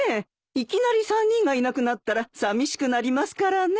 いきなり３人がいなくなったらさみしくなりますからね。